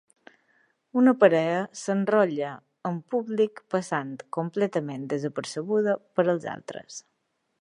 Una parella s'enrotlla en públic passant completament desapercebuda per als altres.